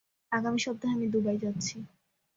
আগামী সপ্তাহে আমি দুবাই যাচ্ছি।